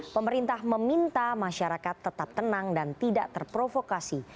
pemerintah meminta masyarakat tetap tenang dan tidak terprovokasi